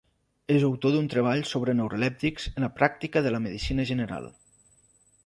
És autor d'un treball sobre neurolèptics en la Pràctica de la Medicina General.